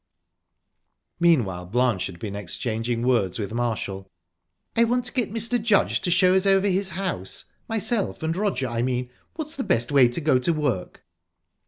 Meanwhile Blanche had been exchanging words with Marshall. "I want to get Mr. Judge to show us over his house myself and Roger, I mean. What's the best way to go to work?"